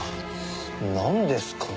なんですかね？